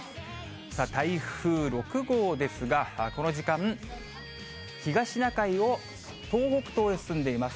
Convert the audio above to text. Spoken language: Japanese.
さあ、台風６号ですが、この時間、東シナ海を東北東へ進んでいます。